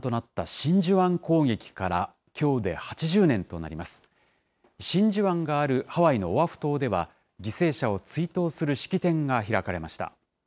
真珠湾があるハワイのオアフ島では、犠牲者を追悼する式典が開か